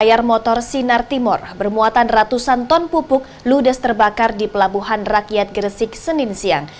layar motor sinar timur bermuatan ratusan ton pupuk ludes terbakar di pelabuhan rakyat gresik senin siang